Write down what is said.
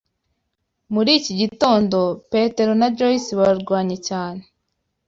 Muri iki gitondo, Petero na Joyce barwanye cyane.